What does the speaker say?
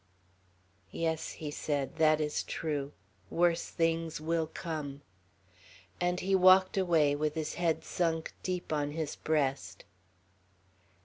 "Yes," he said. "That is true. Worse things will come." And he walked away, with his head sunk deep on his breast.